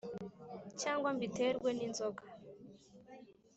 cyangwa mbiterwe n’inzoga